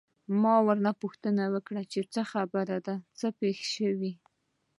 ما ورنه وپوښتل چې څه خبره ده، څه پېښ شوي؟